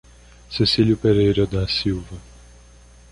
Cecilio Pereira da Silva